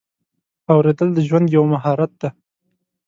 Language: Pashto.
اورېدل د ژوند یو مهارت دی.